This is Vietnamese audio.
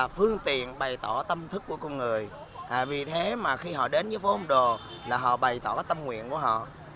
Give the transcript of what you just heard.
phố âu đồ là họ bày tỏ tâm nguyện của họ